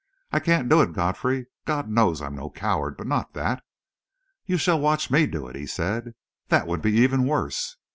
"I I can't do it, Godfrey. God knows, I'm no coward but not that!" "You shall watch me do it!" he said. "That would be even worse!"